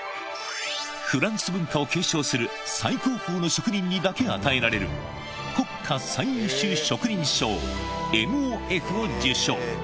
フランス文化を継承する最高峰の職人にだけ与えられる、国家最優秀職人章ＭＯＦを受章。